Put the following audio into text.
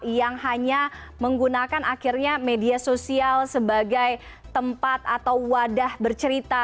yang hanya menggunakan akhirnya media sosial sebagai tempat atau wadah bercerita